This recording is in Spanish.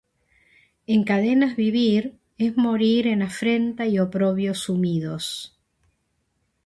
En cadenas vivir es morir en afrenta y oprobio sumidos